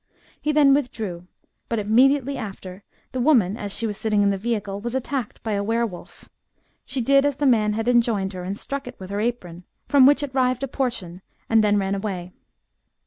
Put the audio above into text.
He then withdrew, hut immediately after, the woman, as she was sitting in the vehicle, was attacked hy a were wolf. She did as the man had enjoined her, and struck it with her apron, from which it rived a portion, and then ran away.